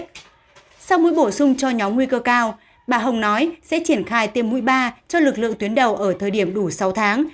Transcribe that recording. nếu nguy cơ cao bà hồng nói sẽ triển khai tiêm mũi ba cho lực lượng tuyến đầu ở thời điểm đủ sáu tháng